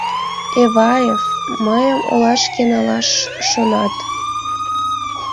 Эваев, мыйым олашке налаш шонат.